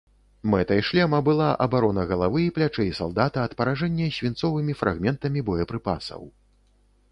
Мэтай шлема была абарона галавы і плячэй салдата ад паражэння свінцовымі фрагментамі боепрыпасаў.